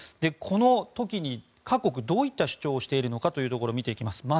この時に各国はどういった主張をしているのかというのを見ていきます。